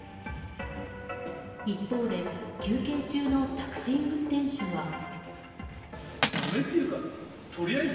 一方で休憩中のタクシー運転手は。